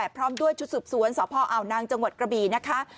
พร้อมด้วยชุดสืบสวนสพอาวนางจังหวัดกระบี่นะคะ